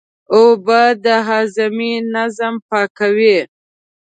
اوبه د هاضمې نظام پاکوي